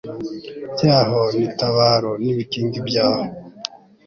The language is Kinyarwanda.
byaho n i Tabora n ibikingi byaho